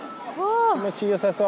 気持ちよさそう！